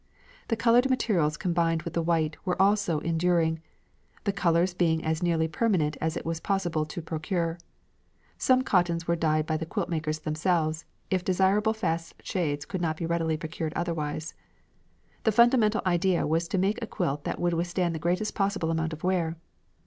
The coloured materials combined with the white were also enduring, the colours being as nearly permanent as it was possible to procure. Some cottons were dyed by the quilt makers themselves, if desirable fast shades could not be readily procured otherwise. The fundamental idea was to make a quilt that would withstand the greatest possible amount of wear.